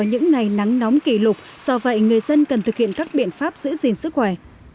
những ngày nắng nóng kỷ lục do vậy người dân cần thực hiện các biện pháp giữ gìn sức khỏe